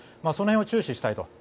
その辺を注視したいと。